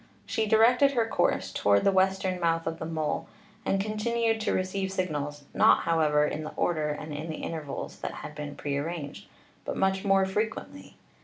She directed her course toward the western mouth of the mole, and continued to receive sig nals, not, however, in the order and in the intervals that had been prearranged, but much more frequently.